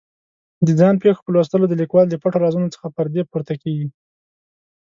د ځان پېښو په لوستلو د لیکوال د پټو رازونو څخه پردې پورته کېږي.